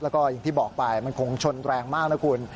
แล้วก็อย่างที่บอกไปมันคงชนแรงมากนะคุณ